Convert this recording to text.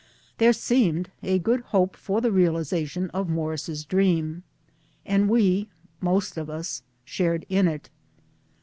There seemed^ a good hope for the realization of Morris* dreami and we most of us shared in it.